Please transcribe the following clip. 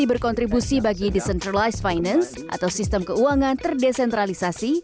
berkontribusi bagi decentralized finance atau sistem keuangan terdesentralisasi